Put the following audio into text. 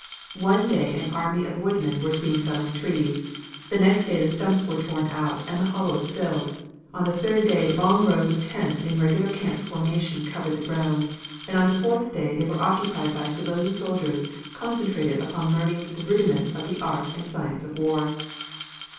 One day an army of woodmen were seen felling trees; the next day the stumps were torn out and the hollows filled; on the third day long rows of tents in regular camp formation covered the ground, and on the fourth day they were occupied by civilian soldiers concentrated upon learning the rudiments of the art and science of war.